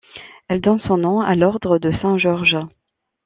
Elle donne son nom à l'ordre de Saint-Georges.